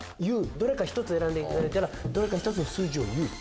どれか１つ選んでいただいたら数字を言う。